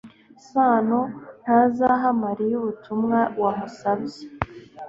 sano ntazaha mariya ubutumwa wamusabye